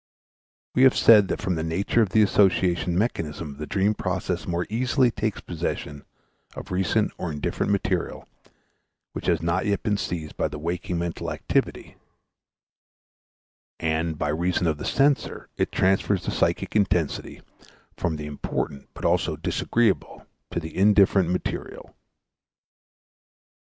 We have said that from the nature of the association mechanism the dream process more easily takes possession of recent or indifferent material which has not yet been seized by the waking mental activity; and by reason of the censor it transfers the psychic intensity from the important but also disagreeable to the indifferent material.